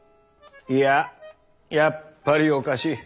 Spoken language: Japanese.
いややっぱりおかしい。